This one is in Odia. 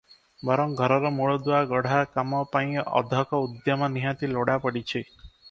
ବରଂ ଘରର ମୂଳଦୁଆ ଗଢ଼ା କାମ ପାଇଁ ଅଧକ ଉଦ୍ୟମ ନିହାତି ଲୋଡ଼ାପଡ଼ିଛି ।